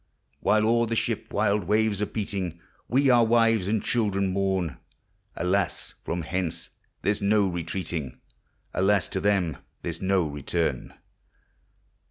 While o'er the ship wild waves are beating, We our wives and children mourn ; Alas! from hence there 's no retreating, Alas ! to them there 's no return